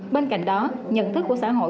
bên cạnh đó nhận thức của xã hội